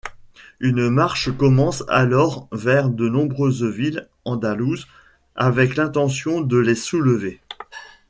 Une marche commence alors vers de nombreuses villes andalouses, avec l'intention de les soulever.